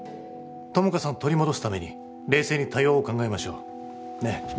友果さんを取り戻すために冷静に対応を考えましょうねえ